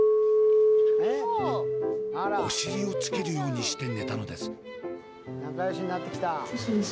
お尻をつけるようにして寝たのです。